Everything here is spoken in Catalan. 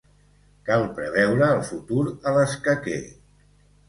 Cal preveure el futur a l'escaquer.